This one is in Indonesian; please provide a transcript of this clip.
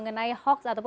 terima kasih maaf ya